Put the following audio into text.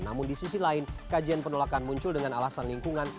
namun di sisi lain kajian penolakan muncul dengan alasan lingkungan